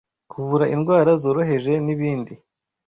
kuvura indwara zoroheje n’ibindi